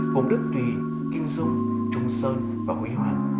cùng đức thùy kim dung trung sơn và quỹ hoàng